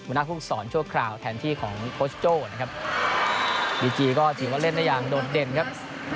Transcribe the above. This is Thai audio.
หัวหน้าภูมิสอนชั่วคราวแทนที่ของโค้ชโจ้นะครับบีจีก็ถือว่าเล่นได้อย่างโดดเด่นครับ